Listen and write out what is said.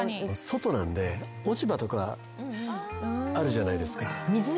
外なんで落ち葉とかあるじゃないですか。